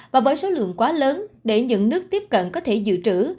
và với số lượng quá lớn để những nước tiếp cận có thể dự trữ